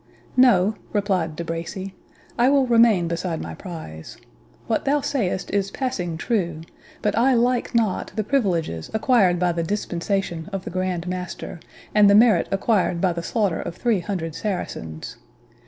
"No," replied De Bracy, "I will remain beside my prize. What thou sayst is passing true, but I like not the privileges acquired by the dispensation of the Grand Master, and the merit acquired by the slaughter of three hundred Saracens.